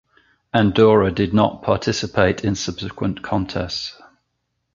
Andorra did not participate in subsequent contests.